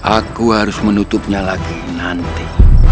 aku harus menutupnya lagi nanti